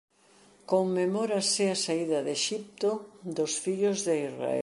Conmemorase a saída de Exipto dos fillos de Israel.